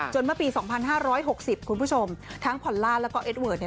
เมื่อปี๒๕๖๐คุณผู้ชมทั้งพอลล่าแล้วก็เอ็ดเวิร์ดเนี่ย